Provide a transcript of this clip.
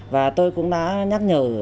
và tôi cũng đã nhắc nhở